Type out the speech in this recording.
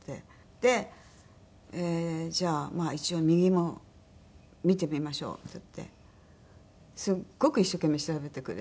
で「じゃあ一応右も診てみましょう」って言ってすごく一生懸命調べてくれて。